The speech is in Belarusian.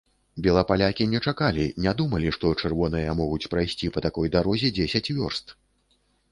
Белапалякі не чакалі, не думалі, што чырвоныя могуць прайсці па такой дарозе дзесяць вёрст!